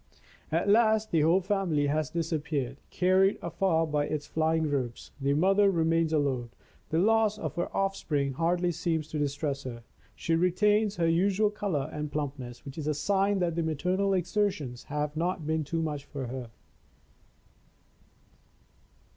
At last, the whole family has disappeared, carried afar by its flying ropes. The mother remains alone. The loss of her off spring hardly seems to distress her. She retains her usual color and plumpness, which is a sign that the maternal exertions have not been too much for her.